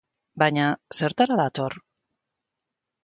Baina, zertara dator?